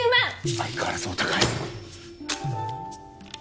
相変わらずお高い